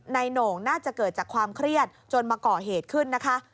โหน่งน่าจะเกิดจากความเครียดจนมาก่อเหตุขึ้นนะคะ